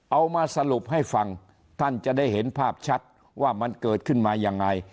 เอามาสรุปให้ฟังท่านจะได้เห็นภาพชัดว่ามันเกิดขึ้นมายังไง